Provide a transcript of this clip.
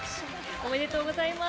おめでとうございます。